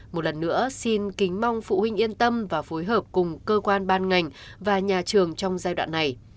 một lần nữa xin kính mong phụ huynh yên tâm và phối hợp cùng cơ quan ban ngành và nhà trường trong giai đoạn này